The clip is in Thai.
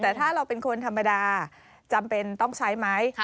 แต่ถ้าเราเป็นคนธรรมดาจำเป็นต้องใช้ไหม